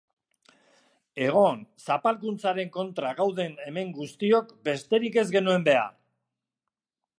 Egon, zapalkuntzaren kontra gaude hemen guztiok, besterik ez genuen behar!